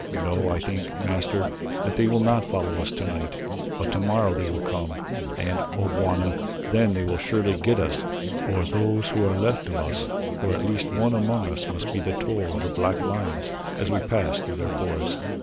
No, I think, Master, that they will not follow us tonight, but tomorrow they will come, and, O Bwana, then will they surely get us, or those that are left of us, for at least one among us must be the toll of the black lions as we pass through their forest."